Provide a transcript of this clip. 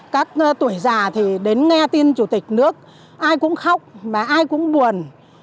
các tuổi già thì đến nghe tin chủ tịch nước ai cũng khóc và ai cũng buồn